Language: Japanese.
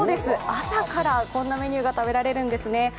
朝からこんなメニューが食べられるんですね。